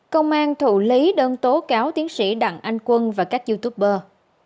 công an thụ lý đơn tố cáo tiến sĩ đặng anh quân và các youtuber